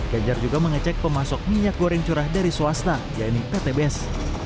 ganjar juga mengecek pemasok minyak goreng curah dari swasta yaitu pt bes